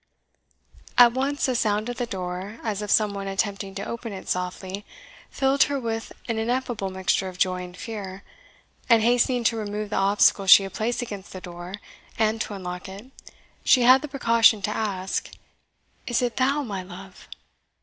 At once a sound at the door, as of some one attempting to open it softly, filled her with an ineffable mixture of joy and fear; and hastening to remove the obstacle she had placed against the door, and to unlock it, she had the precaution to ask! "Is it thou, my love?"